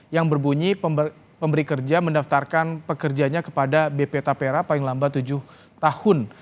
yang berbunyi pemberi kerja mendaftarkan pekerjanya kepada bp tapera paling lambat tujuh tahun